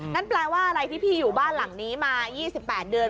นั่นแปลว่าอะไรที่พี่อยู่บ้านหลังนี้มา๒๘เดือน